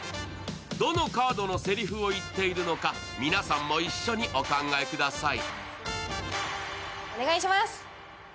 どのカードのせりふを言っているのか皆さんも一緒にお考えください。